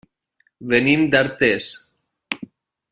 Venim d'Artés.